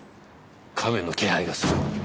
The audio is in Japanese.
カメの気配がする。